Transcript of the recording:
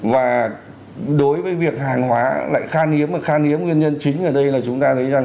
và đối với việc hàng hóa lại khan hiếm và khan hiếm nguyên nhân chính ở đây là chúng ta thấy rằng